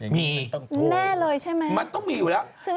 มีแน่เลยใช่ไหมมันต้องมีอยู่แล้ว